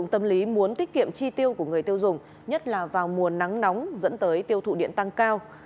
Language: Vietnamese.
tâm lý muốn tiết kiệm chi tiêu của người tiêu dùng nhất là vào mùa nắng nóng dẫn tới tiêu thụ điện tăng cao